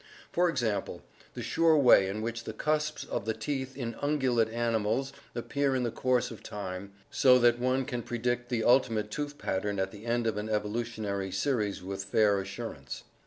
For example, the sure way in which the cusps of the teeth in ungulate animals appear in the course of time, so that one can predict the ultimate tooth pattern at the end of an evolutionary series with fair assurance.